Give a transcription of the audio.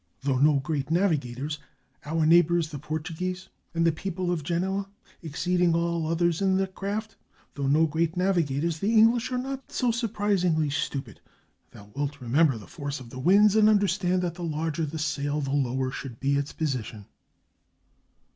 Though no great navigators — our neighbors the Portuguese, and the people of Genoa, exceeding all others in that craft — though no great navigators, the English are not so sur passingly stupid. Thou wilt remember the force of the winds, and understand that the larger the sail the lower should be its position."